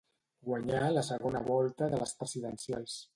Guanyar la segona volta de les presidencials.